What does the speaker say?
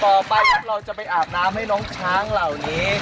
ต่อไปครับเราจะไปอาบน้ำให้น้องช้างเหล่านี้